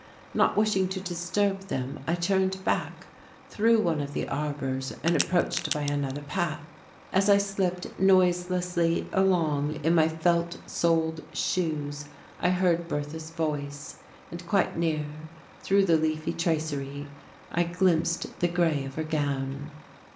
Not wishing to disturb them, I turned back through one of the arbours and approached by another path. As I slipped noiselessly along in my felt soled shoes I heard Bertha's voice, and quite near, through the leafy tracery, I glimpsed the grey of her gown.